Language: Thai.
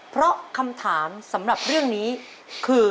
เพราะคำถามสำหรับเรื่องนี้คือ